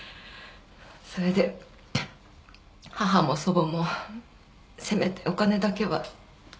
それで母も祖母もせめてお金だけは。